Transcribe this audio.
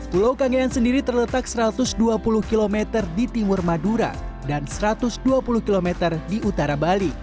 pulau kangean sendiri terletak satu ratus dua puluh km di timur madura dan satu ratus dua puluh km di utara bali